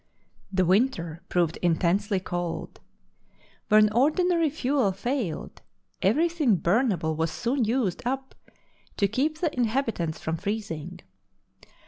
The winter proved intensely cold. When ordi nary fuel failed, everything burnable was soon used up to keep the inhabitants from freezing.